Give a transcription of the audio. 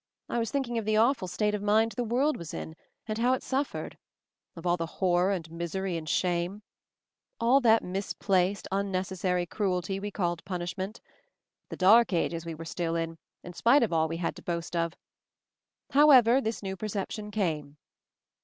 I was thinking of the awful state of mind the world was in, and how it suffered ! Of all the horror and misery and shame; all that misplaced, unnecessary 246 MOVING THE MOUNTAIN cruelty we called punishment; the Dark Ages we were still in, in spite of all we had to boast of. However, this new perception came."